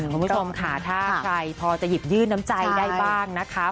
คุณผู้ชมค่ะถ้าใครพอจะหยิบยื่นน้ำใจได้บ้างนะคะ